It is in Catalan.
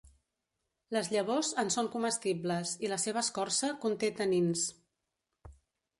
Les llavors en són comestibles i la seva escorça conté tanins.